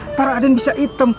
ntar aden bisa item